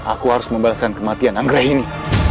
aku harus membalaskan kematian anggrek ini